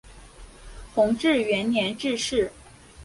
弘治元年致仕。